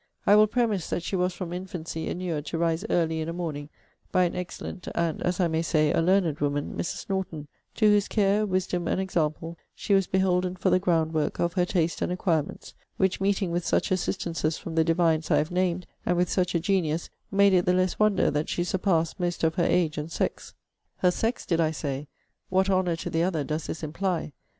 I will premise, that she was from infancy inured to rise early in a morning, by an excellent, and, as I may say, a learned woman, Mrs. Norton, to whose care, wisdom, and example, she was beholden for the ground work of her taste and acquirements, which meeting with such assistances from the divines I have named, and with such a genius, made it the less wonder that she surpassed most of her age and sex. Her sex, did I say? What honour to the other does this imply!